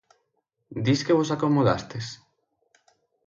Dis que vos acomodastes?